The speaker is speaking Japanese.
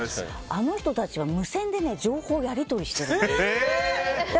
あの人たちは、無線で情報をやり取りしているんです。